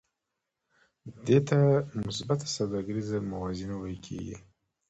دې ته مثبته سوداګریزه موازنه ویل کېږي